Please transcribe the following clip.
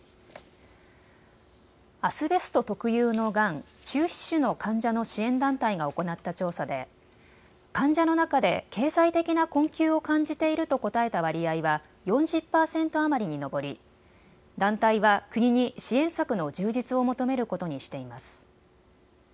アスベスト特有のがん、中皮腫の患者の支援団体が行った調査で患者の中で経済的な困窮を感じていると答えた割合は４０％余りに上り団体は国に支援策の充実を求めることにしています。